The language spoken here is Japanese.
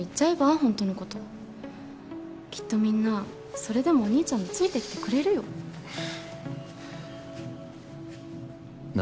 本当のこときっとみんなそれでもお兄ちゃんについてきてくれるよなあ